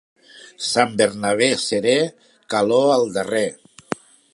Sant Bernabé serè, calor al darrer.